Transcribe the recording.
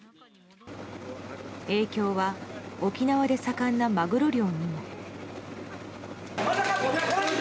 影響は沖縄で盛んなマグロ漁にも。